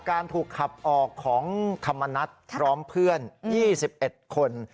การถูกขับออกของธรรมนัฐพร้อมเพื่อน๒๑คน